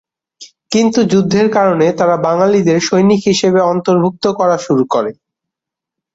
কিন্তু যুদ্ধের কারণে তারা বাঙালিদের সৈনিক হিসেবে অন্তর্ভুক্ত করা শুরু করে।